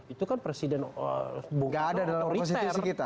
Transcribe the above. itu kan presiden bukan otoriter